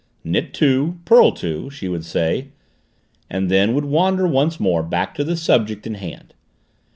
"Knit two, purl two," she would say, and then would wander once more back to the subject in hand.